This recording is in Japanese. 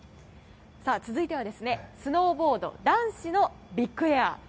続いては、スノーボード男子のビッグエア。